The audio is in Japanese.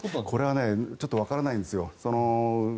これはちょっとわからないんですよ。